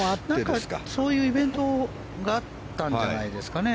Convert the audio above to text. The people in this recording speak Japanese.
そういうイベントがあったんじゃないですかね。